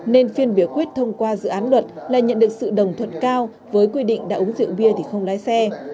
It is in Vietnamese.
nên phiên biểu quyết thông qua dự án luật là nhận được sự đồng thuận cao với quy định đã uống rượu bia thì không lái xe